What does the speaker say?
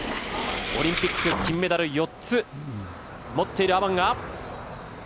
オリンピック金メダル４つ持っているアマン。